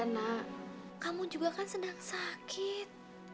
karena kamu juga kan sedang sakit